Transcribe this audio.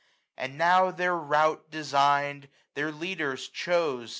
And now their rout designed, their leaders chose.